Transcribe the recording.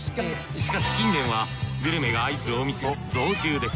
しかし近年はグルメが愛するお店も増殖中です。